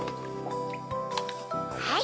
はい！